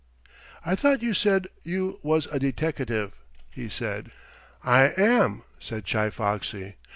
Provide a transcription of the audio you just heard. "I thought you said you was a deteckative," he said. "I am," said Chi Foxy.